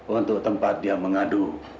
untuk tempat dia mengadu